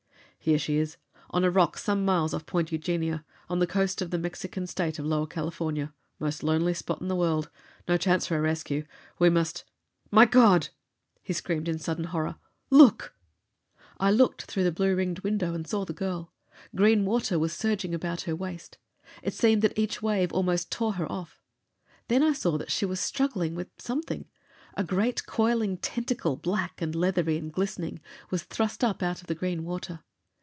"Here she is. On a rock some miles off Point Eugenia, on the coast of the Mexican State of Lower California. Most lonely spot in the world. No chance for a rescue. We must "My god!" he screamed in sudden horror. "Look!" I looked through the blue ringed window and saw the girl. Green water was surging about her waist. It seemed that each wave almost tore her off. Then I saw that she was struggling with something. A great coiling tentacle, black and leathery and glistening, was thrust up out of the green water.